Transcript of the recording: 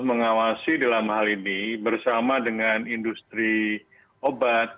mengawasi dalam hal ini bersama dengan industri obat